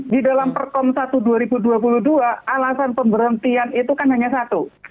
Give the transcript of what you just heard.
di dalam perkom satu dua ribu dua puluh dua alasan pemberhentian itu kan hanya satu